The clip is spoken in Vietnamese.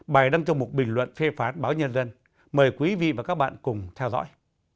bài đăng trong một bình luận phê phán báo nhân dân mời quý vị và các bạn cùng theo dõi